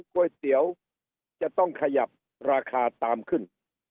ก๋วยเตี๋ยวจะต้องขยับราคาตามขึ้น